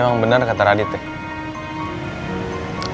ini emang bener kata radit ya